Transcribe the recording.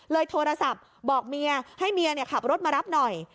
โทรศัพท์บอกเมียให้เมียขับรถมารับหน่อย